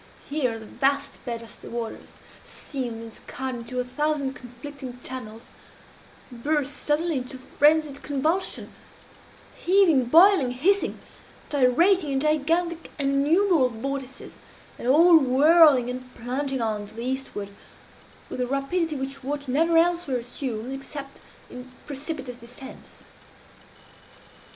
Here the vast bed of the waters, seamed and scarred into a thousand conflicting channels, burst suddenly into frenzied convulsion heaving, boiling, hissing gyrating in gigantic and innumerable vortices, and all whirling and plunging on to the eastward with a rapidity which water never elsewhere assumes, except in precipitous descents.